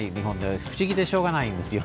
不思議でしようがないんですよ。